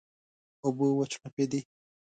اوبه وچړپېدې.